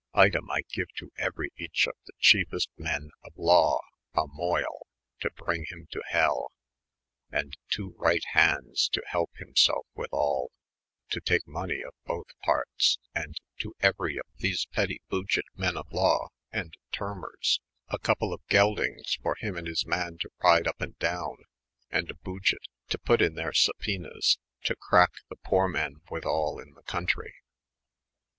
Item, I geae to eneryche of the cheifest menne of Lawe, a Moyle, to bryng him to hell ; and two right handes to helpe himself with all, to take money of both partes : and to euery of these pety Bouget men of lawe, and Tearmers, a conple of geldynges for him and his man to ryde vp & doune, and a Bonget to put inne their Snb Penas, to crake the poore men with all in the coantrey.